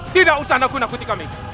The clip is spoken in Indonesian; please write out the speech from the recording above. tidak usah nak guna kutik kami